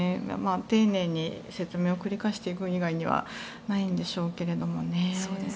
丁寧に説明を繰り返していく以外にはないんでしょうけどもね。